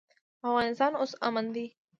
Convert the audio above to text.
افغانستان اوس امن دی.